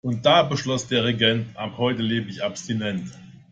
Und da beschloss der Regent: Ab heute lebe ich abstinent.